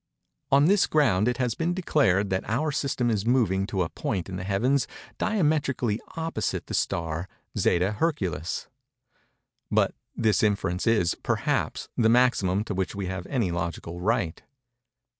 On this ground it has been declared that our system is moving to a point in the heavens diametrically opposite the star Zeta Herculis:—but this inference is, perhaps, the maximum to which we have any logical right.